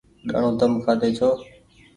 ڏآڻو تم کآدي ڇو